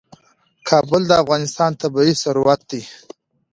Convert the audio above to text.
کابل د افغانستان طبعي ثروت دی.